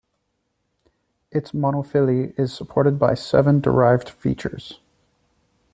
Its monophyly is supported by seven derived features.